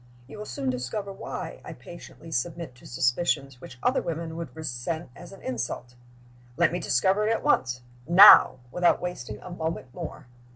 You will soon discover why I patiently submit to suspicions which other women would resent as an insult." "Let me discover it at once. Now! Without wasting a moment more!"